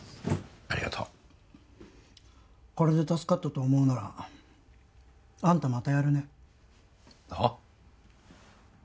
ありがとうこれで助かったと思うならあんたまたやるねはっ？